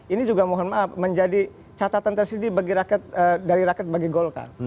ini juga mohon maaf menjadi catatan tersendiri bagi rakyat bagi golkar